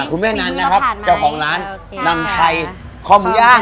คุณแม่นั้นนะครับเจ้าของร้านนำชัยค่อมย่าง